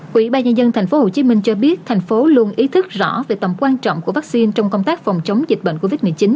quỹ ba nhân dân tp hcm cho biết thành phố luôn ý thức rõ về tầm quan trọng của vaccine trong công tác phòng chống dịch bệnh covid một mươi chín